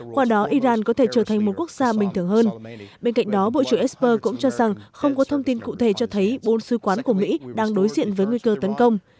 qua đó iran có thể trở thành một quốc gia bình thường hơn bên cạnh đó bộ trưởng esper cũng cho rằng không có thông tin cụ thể cho thấy bốn sứ quán của mỹ đang đối diện với nguy cơ tấn công